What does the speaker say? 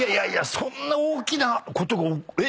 そんな大きなことが。えっ？